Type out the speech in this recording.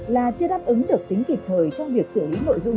là chưa đáp ứng được tính kịp thời trong việc xử lý nội dung